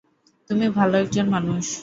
তুমি ভালো একজন মানুষ।